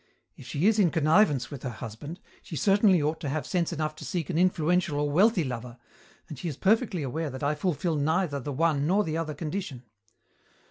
If she is in connivance with her husband, she certainly ought to have sense enough to seek an influential or wealthy lover, and she is perfectly aware that I fulfil neither the one nor the other condition.